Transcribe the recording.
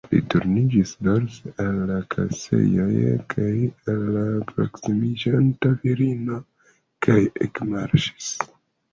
Li turniĝis dorse al la kasejoj kaj al la proksimiĝanta virino, kaj ekmarŝis.